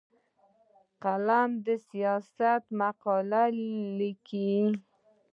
قلم د سیاست مقاله لیکي